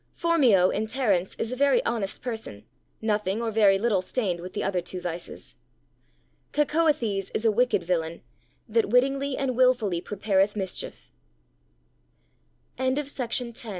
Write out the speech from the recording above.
Phormio, in Terence, is a very honest person, nothing, or very little, stained with the other two vices. Cacoëthes is a wicked villain, that wittingly and wilfully prepareth mischief. _Of the Wealth and Tr